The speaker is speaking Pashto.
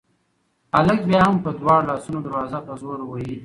هلک بیا هم په دواړو لاسونو دروازه په زور وهي.